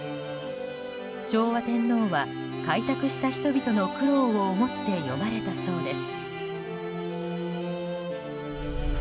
昭和天皇は開拓した人々の苦労を思って詠まれたそうです。